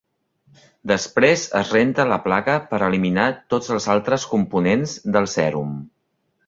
Després es renta la placa per eliminar tots els altres components del sèrum.